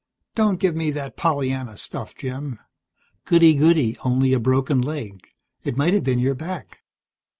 "Don't give me that Pollyanna stuff, Jim. 'Goody, goody, only a broken leg. It might have been your back.'